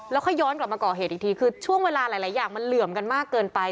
แล้วค่อยย้อนกลับมาก่อเหตุอีกทีคือช่วงเวลาหลายอย่างมันเหลื่อมกันมากเกินไป